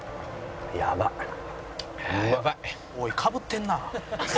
「おいかぶってんな」